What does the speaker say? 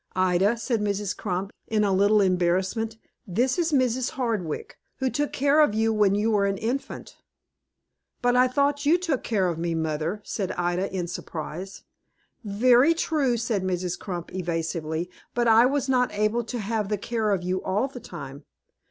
"Ida," said Mrs. Crump, in a little embarrassment, "this is Mrs. Hardwick, who took care of you when you were an infant." "But I thought you took care of me, mother," said Ida, in surprise. "Very true," said Mrs. Crump, evasively, "but I was not able to have the care of you all the time.